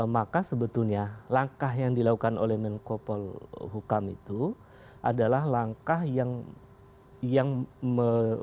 maka sebetulnya langkah yang dilakukan oleh menko polhukam itu adalah langkah yang menyebabkan